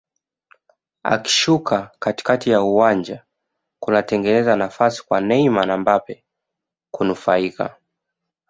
Akishuka katikati ya uwanja kunatengeza nafasi kwa Neymar na Mbappe kunufaika